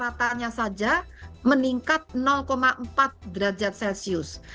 rata ratanya saja meningkat empat derajat celcius